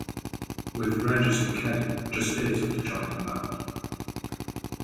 With Regis and Kelly, just days after joining the band.